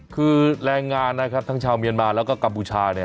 คือแรงงานนะครับทั้งชาวเมียนมาแล้วก็กัมพูชา